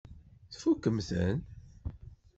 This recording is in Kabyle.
Tfukkem-ten?